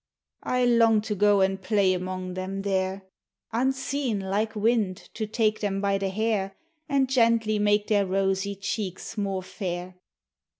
I long to go and play among them there; Unseen, like wind, to take them by the hair, And gently make their rosy cheeks more fair.